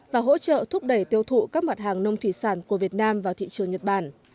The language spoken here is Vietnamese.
và hỗ trợ thúc đẩy tiêu thụ các mặt hàng nông thủy sản của việt nam vào thị trường nhật bản